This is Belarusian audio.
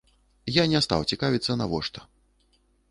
Я не стаў цікавіцца навошта.